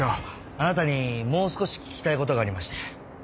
あなたにもう少し聞きたい事がありまして。